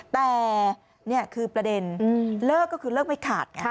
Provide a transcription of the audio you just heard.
แต่นี่คือประเด็นเลิกก็คือเลิกไม่ขาดไง